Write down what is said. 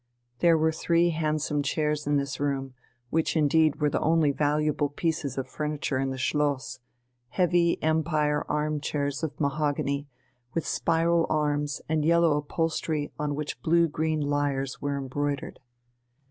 There were three handsome chairs in this room, which indeed were the only valuable pieces of furniture in the Schloss, heavy Empire arm chairs of mahogany, with spiral arms and yellow upholstery on which blue green lyres were embroidered.